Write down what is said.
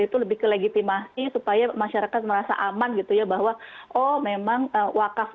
itu lebih ke legitimasi supaya masyarakat merasa aman gitu ya bahwa oh memang wakaf